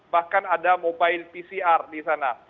bahkan ada mobile pcr disana